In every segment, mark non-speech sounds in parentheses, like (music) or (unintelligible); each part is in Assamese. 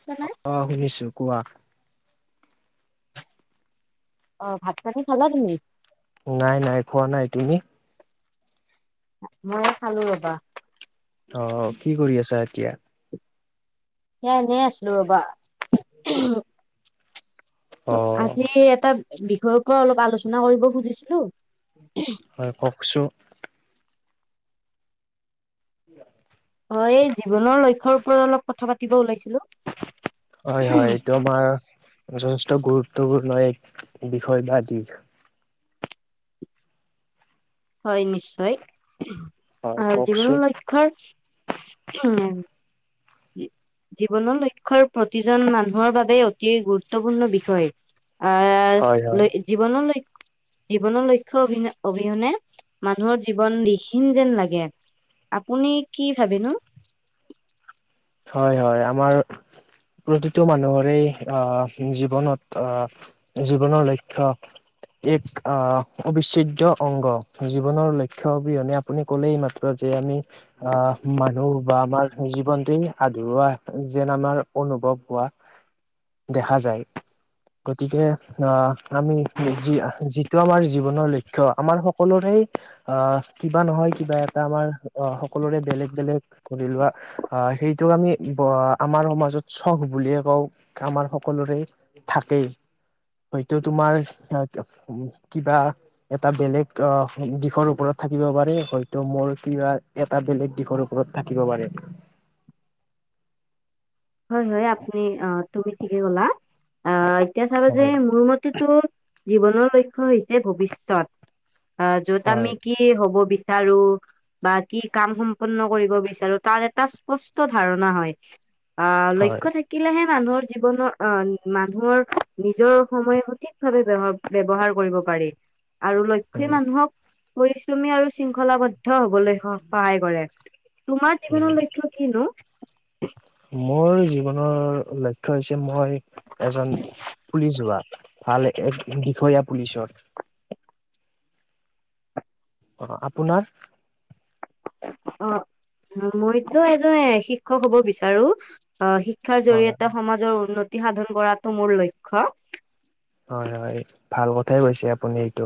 (unintelligible) অ ', শুনিছো কোৱা অ', ভাত পানী খালা তুমি নাই, নাই, খোৱা নাই তুমি? মইে খালো ৰবা অ', কি কৰি আছা এতিয়া? সেয়া এনেই আছিলো ৰবা, অ ত আজি এটা বিষয়ৰ পৰা অলপ আলোচনা কৰিব খুজিছিলো হয়, কওকচো হয়, এই জীৱনৰ লক্ষ্য ৰ ওপৰত অলপ কথা পাতিব ওলাইছিলো হয়, হয়, এইটো আমাৰ যথেষ্ট গুৰুত্বপূৰ্ণ এক বিষয় বা দিশ হয়, নিশ্চয় হয় আৰু কওকচোন জীৱনৰ লক্ষ্যৰ উম জীৱনৰ লক্ষ্য়ৰ প্ৰতিজন মানুহৰ বাবে অতি গুৰুত্বপূৰ্ণ বিষয় আহ হয় হয় লৈ জীৱনলৈৈ জীৱনৰ লক্ষ্যৰ অ', অবিহনে মানুহৰ জীৱন দ্ষীণ যেন লাগে আপুনি কি ভাবেনো? হয়, হয়, আমাৰ প্ৰতিটো মানুহৰে আহ জীৱনত আহ জীৱনৰ লক্ষ্যক এক আহ অবিচ্ছেদ্য় অংগ, জীৱনৰ লক্ষ্য অবিহনে আপুনি কলেই মাত্ৰ যে আমি অ', মানুহ বা আমাৰ জীৱনটই আধৰুৱা যেন আমাৰ অনুভৱ হোৱা দেখা যায় গতিকে আহ, আমি যি যিটো আমাৰ জীৱনৰ লক্ষ্য আমাৰ সকলোৰে। অ, কিবা নহয় কিবা এটা আমাৰ অ, সকলোৰে বেলেগ বেলেগ কৰিৰি লোৱা। আহ সেইটোক আমি আমাৰ সমাজত চখ বুলিয়ে কওঁ আমাৰ সকলোৰে। থাকেই হয়তো তোমাৰ কিবা। এটা বেলেগ আহ দিশৰ ওপৰত থাকিব পাৰে হয়তো মোৰ কিবা। এটা বেলেগ দিশৰ ওপৰত থাকিব পাৰে। হয় হয় আপুনি অ, তুমি ঠিকে ক'লা। আহ এতিয়া চাব যে হয় মোৰ মতেতো জীৱনৰ লক্ষ্য় হৈছে ভৱিষ্যত। অ, যত হয় আমি কি হ'ব বিচাৰো। বা কি কাম সম্পূৰ্ন কৰিব বিচাৰো তাৰ এটা স্পষ্ট ধাৰণা হয়। অ, হয় লক্ষ্য থাকি থাকিলেহে মানুহৰ জীৱনৰ আহ মানুহৰ নিজৰ সময় সঠিকভাৱে ব্যৱহাৰ। ব্যৱহাৰ কৰিব পাৰি আৰু লক্ষ্য। সেই উম মানুহক পৰিশ্ৰমী আৰু শৃংখলাবদ্ধ হ'বলৈ সহায় কৰে। তোমাৰ উম জীৱনৰ লক্ষ্য কিনো? মোৰ জীৱনৰ লক্ষ্য হৈছে মই এজন পুলিচ হোৱা। ভাল এক বিষয়া পুলিচৰ। অ, আপোনাৰ? অ, মইতো এজন শিক্ষক হ'ব বিচাৰো। অ, শিক্ষাৰ অ জৰিয়তে সমাজৰ উন্নতি সাধন কৰাটো মোৰ লক্ষ্য। হয় হয়, ভাল কথাই কৈছে আপুনি এইটো।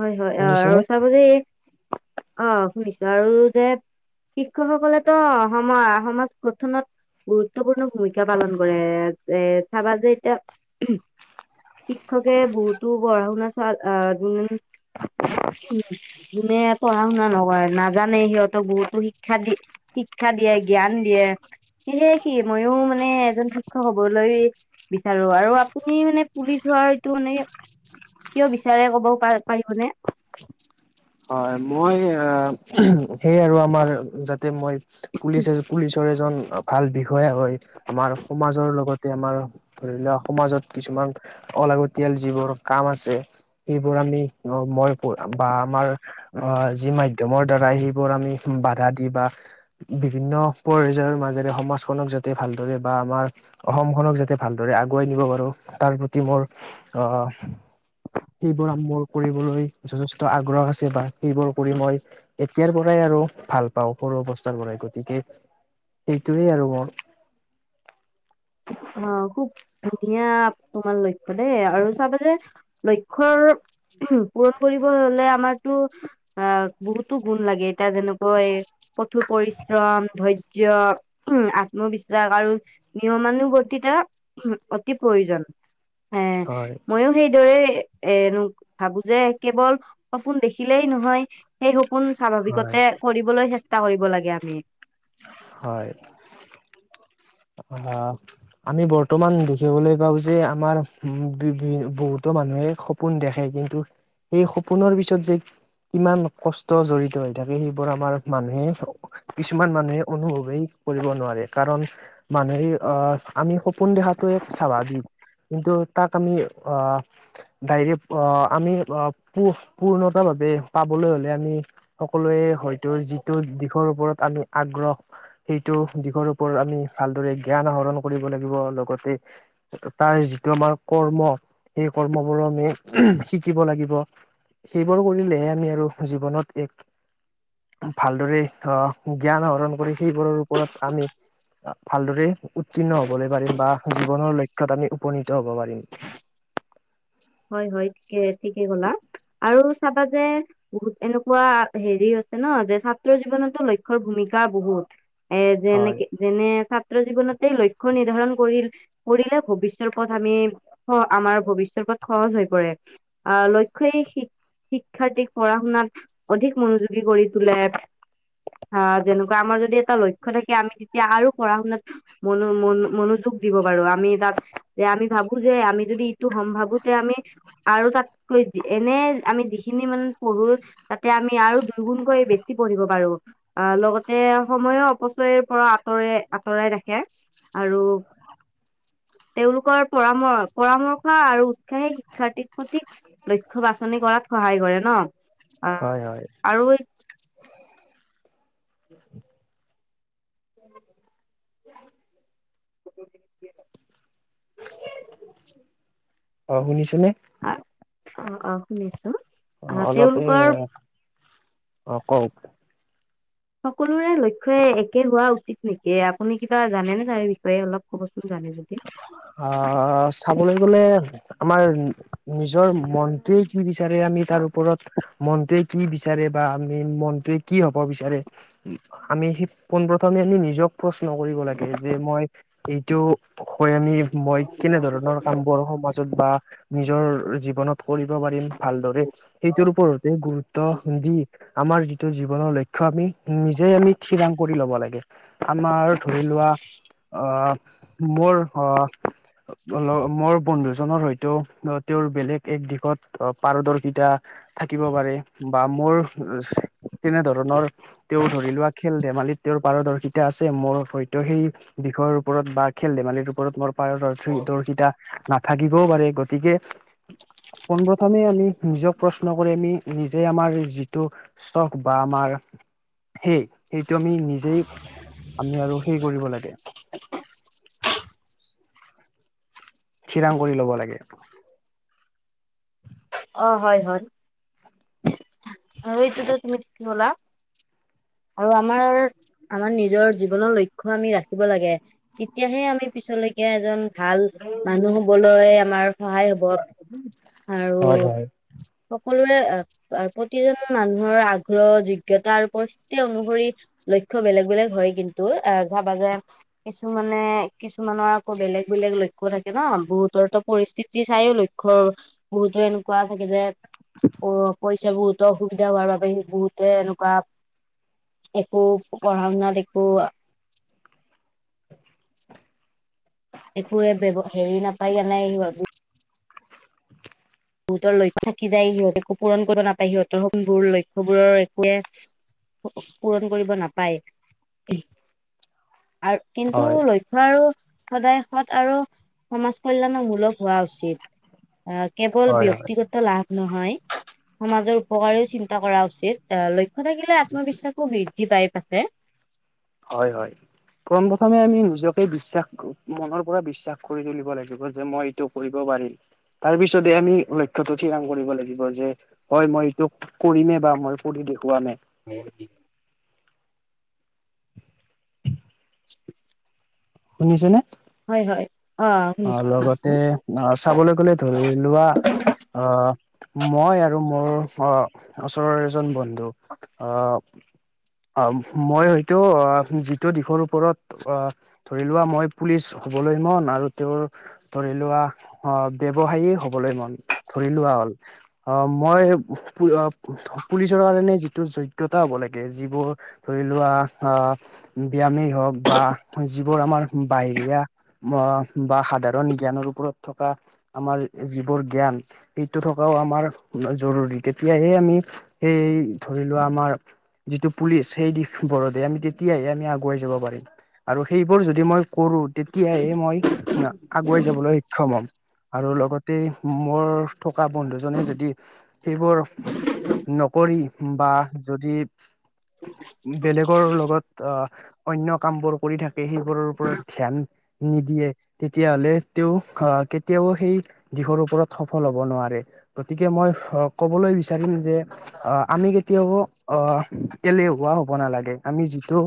হয় হয় অ, আৰু শুনিছেনে চাব যে এই অ শুনিছো আৰু যে। শিক্ষকসকলে তো সম, সমাজ গঠনত। গুৰুত্বপূৰ্ণ ভূমিকা পালন কৰে এ, চাবা যে এতিয়া। শিক্ষকে বহুতো পঢ়া শুনা চাল আ উম, যোনে পঢ়া শুনা নকৰে নাজানে সিহঁতক বহুতো শিক্ষা দিয়ে। শিক্ষা দিয়ে জ্ঞান দিয়ে সেয়ে স ময়ো মানে এজন শিক্ষক হ'বলৈ। বিচাৰো আৰু আপুনি মানে পুলিচ হোৱাৰ এইটো মানে কিয় বিচাৰে ক'ব পাৰে। পাৰিবনে? হয়, মই। সেয়ে আৰু আমাৰ যাতে মই পুলিচ এ, পুলিচৰ এজন। ভাল বিষয়া হয় আমাৰ সমাজৰ লগতে আমাৰ। ধৰি লোৱা সমাজত কিছুমান অলাগতিয়াল যিবোৰ কাম আছে। সেইবোৰ আমি মই বা আমাৰ অ, যি মাধ্য়ম উাধ্মৰ দ্বাৰাই সেইবোৰ আমি বাধা দি বা। বিভিন্ন পৰ্যয়ৰ মাজেৰে সমাজখনক যাতে ভালদৰে বা আমাৰ। অসমখনক যাতে ভালদৰে আগুৱাই নিব পাৰো তাৰ প্ৰতি মোৰ আহ। সেইবোৰ মোৰ কৰিবলৈ যথেষ্ট আগ্ৰহ আছে। বা সেইবোৰ কৰি মই এতিয়াৰ পৰাই আৰু ভাল পাওঁ সৰু অৱস্থাৰ পৰাই গতিকে। এইটোৱেই আৰু মোৰ। অ, খুব ধুনীয়া তোমাৰ লক্ষ্য দেই আৰু চাব যে। লক্ষ্য পূৰণ কৰিব হ'লে আমাৰতো। অ, বহুতো গুণ লাগে এতিয়া যেনেকৈ। কঠোৰ পৰিশ্ৰম ধৈৰ্য্য, আত্মবিশ্বাস আৰু। নিয়মানুব্ততা অতি প্ৰয়োজন এ হয় মইো। সেইদৰে এ ভাবো যে কেৱল। সপোন দেখিলেই নহয় সেই সপোন হয় স্বাভাৱিকতে কৰিবলৈ চেষ্টা কৰিব লাগে আমি। হয়। অ, আমি বৰ্তমান দেখিবলৈ পাওঁ যে আমাৰ বহুতো মানুহে। সপোন দেখে কিন্তু সেই সপোনৰ পিছত যে কিমান কষ্ট জৰি়িত হৈ থাকে সেইবোৰ আমাৰ মানুহে কিছুমান মানুহে অনুভৱেই কৰিব নোৱাৰে কাৰণ মানুহে আহ আমি সপোন দেখাটো এক স্বাভাৱিক কিন্তু তাক আমি ডাইৰে অ আমি প পূৰ্ণতা ভাৱে পাবলৈ হ'লে আমি সকলোৱে হয়তো যিটো দিশৰ ওপৰত আমি আগ্ৰহ সেইটো দিশৰ ওপৰত আমি ভালদৰে জ্ঞান আহৰণ কৰিব লাগিব লগতে তাৰ যিটো আমাৰ কৰ্ম সেই কৰ্মবোৰো আমি শিকিব লাগিব সেইবোৰ কৰিলেহে আমি আৰু জীৱনত এক ভালদৰে আহ জ্ঞান আহৰণ কৰি সেইবোৰৰ ওপৰত আমি ভালদৰে উত্তীৰ্ণ হবলৈ পাৰিম বা জীৱনৰ লক্ষ্য়ত আমি উপনীত হব পাৰিম হয় হয় ঠিকে ঠিকেই হলা আৰু চাবা যে বহুত এনেকুৱা হেৰি আছে ন যে ছাত্ৰ জীৱনতো লক্ষ্য়ৰ ভূমিকা বহুত এ হয় যেনেকে যেনে ছাত্ৰ জীৱনতে লক্ষ্য় নিৰ্ধাৰণ কৰিল কৰিলে ভৱিষ্যৰ ওৰত আমি আমাৰ ভৱিষ্যয়ৰ ওপৰত সহজ হৈ পৰে অ লক্ষ্য়ই শিক শিক্ষাৰ্থীক পঢ়া শুনাত অধিক মনোযোগী কৰি তোলে অ যেনেকুৱা আমাৰ যদি এটা লক্ষ্্য থাকে আমি তেতিয়া আৰু পঢ়া শুনাত মনো মনোযোগ দিব বাৰো আমি তাত যে আমি ভাবো যে আমি যদি এইটো সম্ভাৱো তে আমি আৰু তাতকৈ এনে আমি যিখিনি মানে প়ো তাতে আমি আৰু দুইগুণকৈ বেছি পঢ়িব পাৰো আহ লগতে সময়ো অপচয়ৰ পৰা আঁতৰে আঁতৰাই ৰাখে আৰু তেওঁলোকৰ পৰাম পৰামৰ্শ আৰু শিক্ষাইে শিক্ষাৰ্থক সঠিক লক্ষ্্য বাছনি কৰাত সহায় কৰে ন অ হয় হয় আৰু উ ক অ শুনিছো নে অ অ শুনিছো অ আহ অলপ তেওঁলোকৰ অ কওক সকলোৰে লক্ষ্য় একে হোৱা উচিত নেকি আপুনি কিবা জানেনেে তাৰ বিষয়ে অলপ ক'বচোন জানে যদি অ চাবলৈ গ'লে আমাৰ নিজৰ মনটোৱে কি বিচাৰে আমি তাৰ ওপৰত মনটয়ে কি বিচাৰে বা আমি মনটোৱে কি হব বিচাৰে আমি সি পোনপ্ৰথমে আমি নিজক প্ৰশ্ন কৰিব লাগে যে মই এইটো হৈ আমি মই কেনেধৰণৰ কাম বৰ সমাজত বা নিজৰ জীৱনত কৰিব পাৰিম ভালদৰে সেইটোৰ ওপৰতে গুৰুত্ব দি আমাৰ যিটো জীৱনৰ লক্ষ্য় আমি নিজে আমি িৰাং কৰি লব লাগে আমাৰ ধৰি লোৱা আহ মোৰ অ অ মোৰ বন্ধুজনৰ হয়তো তেওঁৰ বেলেগ এক দিশত পাৰদৰ্শিতা থাকিব পাৰে বা মোৰ তেনে ধৰণৰ তেওঁ ধৰি লোৱা খেল ধেমালিত তেওঁৰ পাৰদৰ্শিতা আছে মোৰ হয়তো সেই বিষয়ৰ ওপৰত বা খেল ধেমালিৰ ওপৰত মোৰ পাৰশ দৰ্শিতা নাথাকিবও পাৰে গতিকে পোনপ্ৰথমে আমি নিজক প্ৰশ্ন কৰি আমি নিজে আমাৰ যিটো ষ্টক বা আমাৰ সেই সেইটো আমি নিজেই আমি আৰু হে কৰিব লাগে (inaudible) খিৰাং কৰি ল'ব লাগে অ হয় হয় টোত তুমি কি ব'লা আৰু আমাৰ আমাৰ নিজৰ জীৱনৰ লক্ষ্য় আমি ৰাখিব লাগে, তেতিয়াহে আমি পিছলৈকে এজন ভাল মানুহ হবলৈ আমাৰ সহায় হ'ব আৰু হয়, হয় সকলোৰে প্ৰতিজন মানুহৰ আগ্ৰহ যোগ্য়তা আৰু পৰিস্থিতি অনুসৰি লক্ষ্য় বেলেগ বেলেগ হয় কিন্তু যাবাজে কিছুমানে, কিছুমানৰ আকৌ বেলেগ বেলেগ লক্ষ্য় থাকে ন বহুতৰতো পৰিস্থিতি চায়ও লক্ষ্ বহুতো এনেকুৱা থাগে যে অ', পইচা বোৰুতো অসুবিধা হোৱাৰ বাবে সি বহুতে এনেকুৱা একো পঢ়া শুনাত একো একোৱে হেৰি নাপায় জ নাই ভাবো সিহঁতৰ লক্ষ্য কি যায় সিহঁত একো পূৰণ কৰিব নাপায় সিহঁতৰোৰ লক্ষ্য়বোৰৰ একোৱে পূৰণ কৰিব নাপায়, আৰু কিন্তু হয় লক্ষ্য শিক্ষ আৰুো সদায় সৎ আৰু সমাজ কল্যাণৰ মূলক হোৱা উচিত আহ কেৱল হয় হয় ব্যক্তিগত লাভ নহয় সমাজৰ উপকাৰেও চিন্তা কৰা উচিত, এ লক্ষ্য থাকিলে আত্মবিশ্বাসো বৃদ্ধি পাই প আছে হয়, হয়, প্ৰোন প্ৰথমে আমি নিজকে বিশ্বাস মনৰ পৰা বিশ্বাস কৰি তুলিব লাগিব যে মই এইটোক কৰিব পাৰিম, তাৰ পিছতে আমি লক্ষ্য়তো থিৰাং কৰিব লাগিব যে হয় মই এইটো কৰিমে বা মই কৰিঢ দেখুৱামে মোৰি (unintelligible) শুনিছনে? হয়, হয়, অ', শুনিছো। ন চাবলৈ গ'লে ধৰি লোৱা অ', ই আৰু মোৰ অ ওচৰৰ এজন বন্ধু আহ অ মই হয়তো আহ যিটো দিশৰ ওপৰত আহ ধৰি লোৱা মই পুলিচ হ'বলৈ মন আৰু তেওঁৰ ধৰি লোৱা অ, ব্যৱসায় হবলৈ মন ধৰি লোৱা হ'ল। অ ', মই পুলিচৰ কাৰণে যিটো যোগ্য়তা হ'ব লাগে, যিবোৰ। ধৰি লোৱা অ। ব্যয়ামেই হওক বা যিবোৰ আমাৰ বাহিৰী অ, বা সাধাৰণ জ্ঞানৰ ওপৰত থকা। আমাৰ যিবোৰ জ্ঞান, সেইটো থকাও আমাৰ জৰুৰী তেতিয়াহে আমি। সে ধৰি লোৱা আমাৰ। যিটো পুলিচ সেই দিবৰতে আমি তেতিয়াহে আমি আগুৱাই যাব পাৰিম, আৰু সেইবোৰ যদি মই, কৰো তেতিয়াহে মই আগুৱাই যাবলৈ সক্ষম হম। আৰু লগতে মোৰ থকা বন্ধুজনে যদি সেইবোৰ নকৰি বা যদি, বেলেগৰ লগত অনয় কাম বোৰ কৰি থাক। পেহীকৰৰ ওপৰত ধ্যান নিদিয়ে। তেতিয়াাহলে তেওঁ আহ কেতিয়াও সেই দিশৰ ওপৰত সফল হব নোৱাৰে। গতিকে মই কবলৈ বিচাৰিম যে আহ আমি কেতিয়াও আহ এলেহুৱা হ'ব নালাগে আমি যিটো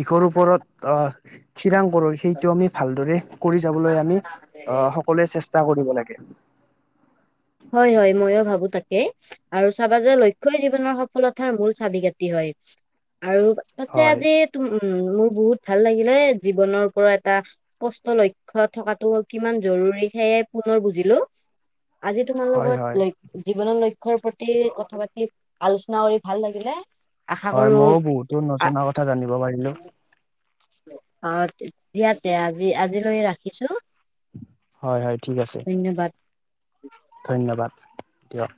দিশৰ ওপৰত আহ থিৰাং কৰোঁ সেইটো আমি ভালদৰে কৰি যাবলৈ আমি আহ সকলোৱে চেষ্টা কৰিব লাগে। হয়, হয়, ময়ো ভাবো তাকে। আৰু চাব যে লক্ষ্য়ই জীৱনৰ সফলতাৰ মূল চাবি কাটি হয় আৰু তছে হয় আজিম উ মোৰ বহুত ভাল লাগিলে জীৱনৰ ওপৰত এটা স্পষ্ট লক্ষ্য় থকাতটো কিমান জৰুৰী সেয়াই পুনৰ বুজিলো। আজি তোমাৰ হয় হয় লগত ল জীৱনৰ প্ৰতি কথা পাতি আলোচনা কৰি ভাল লাগিলে। আশা হয় কৰো ময়ও বহুতো নজনা কথা জানিব পাৰিলো। অ', দিয়াতে আজি আজি লৈ ৰাখিছো। হয় হয় ঠিক আছে ধন্যবাদ ধন্যবাদ দিয়ক।